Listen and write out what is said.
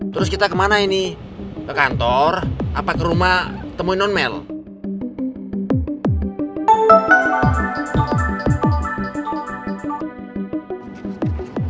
terus kita kemana ini ke kantor apa ke rumah temuin non mail